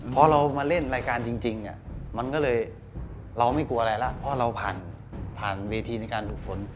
พอเรามาเล่นรายการจริงมันก็เลยเราไม่กลัวอะไรแล้วเพราะเราผ่านเวทีในการฝึกฝน